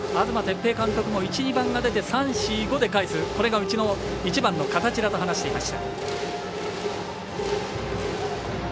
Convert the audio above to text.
東哲平監督も１、２番が出て３、４、５でかえすこれがうちの１、２番の形だと話していました。